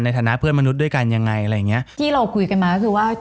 ฐานะเพื่อนมนุษย์ด้วยกันยังไงอะไรอย่างเงี้ยที่เราคุยกันมาก็คือว่า